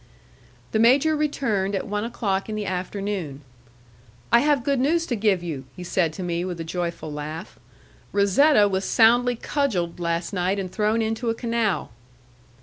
The major returned at one o'clock in the afternoon. "I have good news to give you," he said to me, with a joyful laugh. "Razetta was soundly cudgelled last night and thrown into a canal."